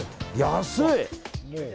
安い！